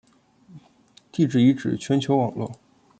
地质遗址全球网络。